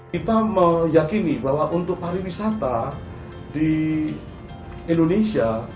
kita meyakini bahwa untuk pariwisata di indonesia